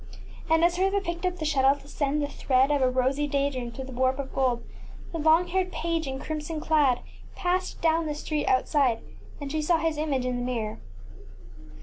And as Hertha picked up the shuttle to send the thread of a rosy day dream through the warp of gold, the long haired page in crimson clad passed down the street outside, and she saw his image in the mirror.